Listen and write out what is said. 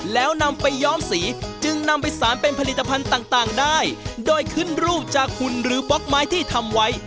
แล้วนำไปย้อมสีจึงนำไปสารเป็นผลิตภัณฑ์ต่างได้โดยขึ้นรูปจากหุ่นหรือป๊อกไม้ที่ทำไว้